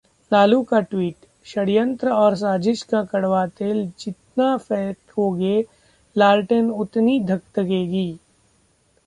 लालू का ट्वीट- 'षड्यंत्र और साज़िश का कड़वा तेल जितना फेंकोगे, लालटेन उतनी धधकेगी'